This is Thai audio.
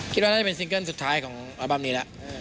คิดว่าน่าจะเป็นซิงเกิ้ลสุดท้ายของอัลบั้มนี้แล้ว